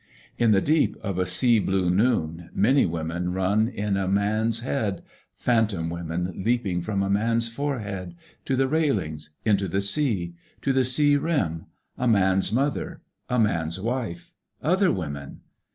In the deep of a sea blue noon many women run in a man's bead, phantom women leaping from a man's forehead .. to the railings ••• into the sea .• .to the sea rim .••.. a man's mother ••• a man's wife ..• other women